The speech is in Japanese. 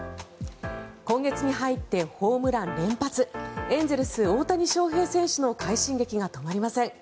今月に入って、ホームラン連発エンゼルス、大谷翔平選手の快進撃が止まりません。